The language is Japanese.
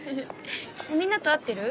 みんなと会ってる？